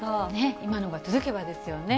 今のが続けばですよね。